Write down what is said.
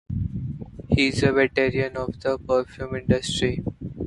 He is a veteran of the perfume industry.